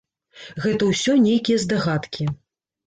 Гэта ўсё нейкія здагадкі.